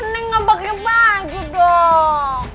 neng gak pake baju dong